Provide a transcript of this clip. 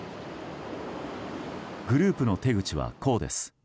グループの手口は、こうです。